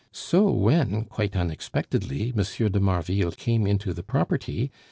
So when, quite unexpectedly, M. de Marville came into the property, M.